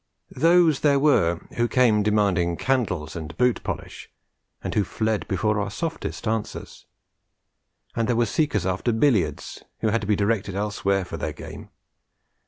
Those there were who came demanding candles and boot polish, and who fled before our softest answers; and there were seekers after billiards who had to be directed elsewhere for their game.